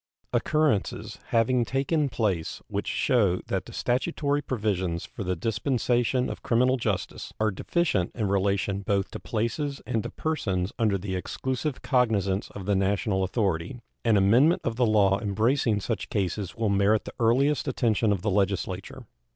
Occurrences having taken place which shew that the statutory provisions for the dispensation of criminal justice are deficient in relation both to places and to persons under the exclusive cognizance of the national authority, an amendment of the law embracing such cases will merit the earliest attention of the Legislature.